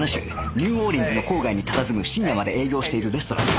ニューオーリンズの郊外にたたずむ深夜まで営業しているレストランだ